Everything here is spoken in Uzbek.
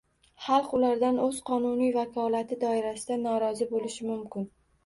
Xalq ulardan oʻz qonuniy vakolati doirasida norozi boʻlishi mumkin.